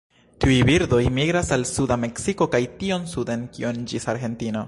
Tiuj birdoj migras al suda Meksiko kaj tiom suden kiom ĝis Argentino.